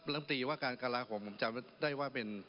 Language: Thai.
เริ่มตีว่าการการาของผมจำได้ว่าเป็น